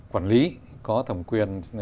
quản lý có thẩm quyền